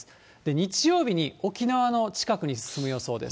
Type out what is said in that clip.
日曜日に、沖縄の近くに進む予想です。